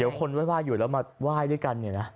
เดี๋ยวคนไว้อยู่แล้วมาไหว้ด้วยกัน